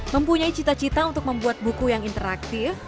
mempunyai cita cita untuk membuat buku yang interaktif